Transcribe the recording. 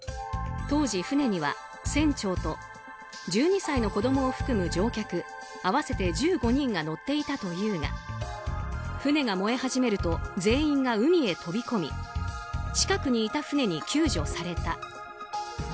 当時、船には船長と１２歳の子供を含む乗客合わせて１５人が乗っていたというが船が燃え始めると全員が海へ飛び込み近くにいた船に救助された。